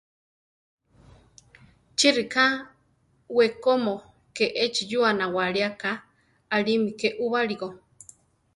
¿Chi ríka, wekómo ke échi yúa nawáli aká, aʼlími ké úbali ko?